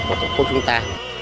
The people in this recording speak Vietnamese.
và tổ quốc chúng ta